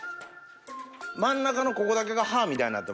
真ん中のここだけが刃みたいになってますね。